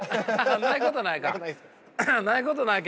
ないことはないか。